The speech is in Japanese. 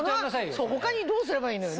他にどうすればいいのよ？